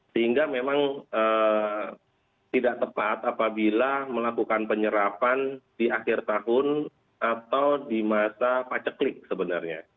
sehingga memang tidak tepat apabila melakukan penyerapan di akhir tahun atau di masa paceklik sebenarnya